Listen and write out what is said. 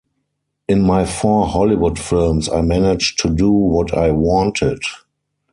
In my four Hollywood films I managed to do what I wanted.